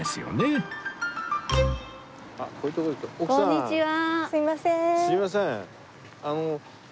こんにちは。